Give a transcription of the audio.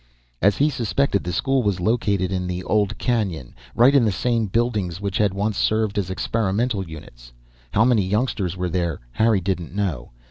As he'd suspected, the school was located in the old canyon, right in the same buildings which had once served as experimental units. How many youngsters were there, Harry didn't know.